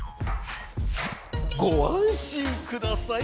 ご安心ください